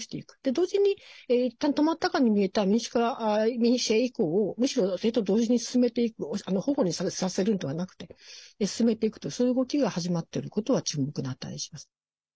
同時にいったん止まったかに見えた民主化移行をそれと同時に進めていくほごにさせるのではなくて進めていくというそういう動きが始まっていることは注目に値します。